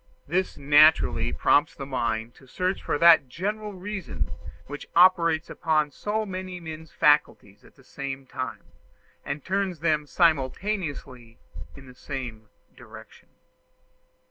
This naturally prompts the mind to search for that general reason which operates upon so many men's faculties at the same time, and turns them simultaneously in the same direction.